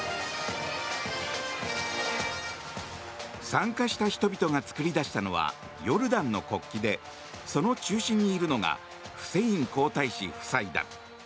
参加した人々が作り出したのはヨルダンの国旗でその中心にいるのがフセイン皇太子夫妻だ。